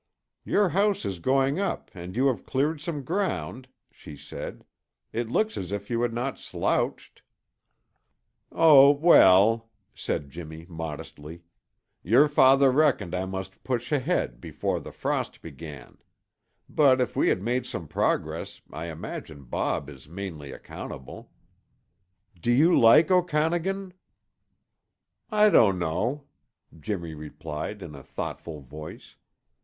"Your house is going up and you have cleared some ground," she said. "It looks as if you had not slouched." "Oh, well," said Jimmy modestly, "your father reckoned I must push ahead before the frost began; but if we have made some progress, I imagine Bob is mainly accountable." "Do you like Okanagan?" "I don't know," Jimmy replied in a thoughtful voice.